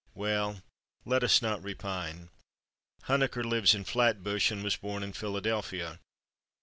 Well, let us not repine. Huneker lives in Flatbush and was born in Philadelphia.